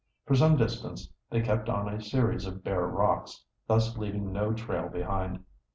For some distance they kept on a series of bare rocks, thus leaving no trail behind.